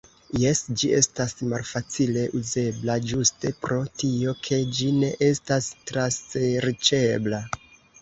Jes, ĝi estas malfacile uzebla ĝuste pro tio ke ĝi ne estas traserĉebla.